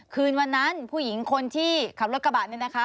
คืนวันนั้นผู้หญิงคนที่ขับรถกระบะนี่นะคะ